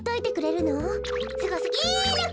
すごすぎる！